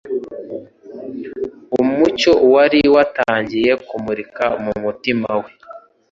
Umucyo wari watangiye kumurika mu mutima we.